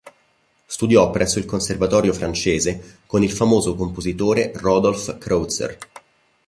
Studiò presso il conservatorio francese con il famoso compositore Rodolphe Kreutzer.